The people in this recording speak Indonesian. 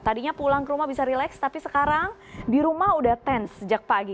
tadinya pulang ke rumah bisa relax tapi sekarang di rumah udah tence sejak pagi